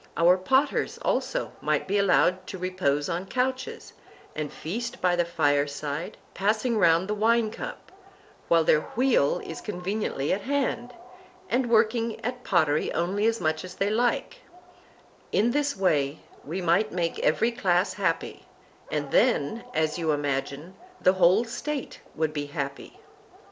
Our potters also might be allowed to repose on couches, and feast by the fireside, passing round the winecup, while their wheel is conveniently at hand, and working at pottery only as much as they like; in this way we might make every class happy—and then, as you imagine, the whole State would be happy.